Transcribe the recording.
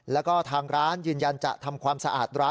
แล้วก็ทางร้านยืนยันจะทำความสะอาดร้าน